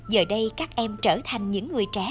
giờ đây các em trở thành những người trẻ